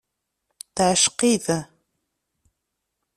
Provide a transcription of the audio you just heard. Teɛceq-it.